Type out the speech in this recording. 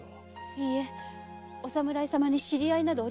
いいえお侍様に知り合いなどおりません。